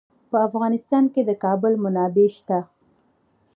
په افغانستان کې د کابل منابع شته.